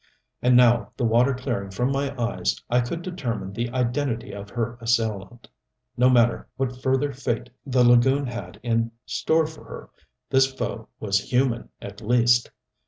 And now, the water clearing from my eyes, I could determine the identity of her assailant. No matter what further fate the lagoon had in store for her, this foe was human, at least.